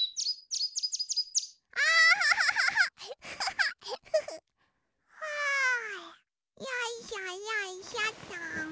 フフフ。はよいしょよいしょっと。